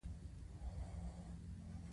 دا پانګوال بازار په واک کې لري